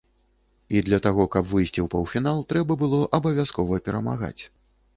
І для таго, каб выйсці ў паўфінал трэба было абавязкова перамагаць.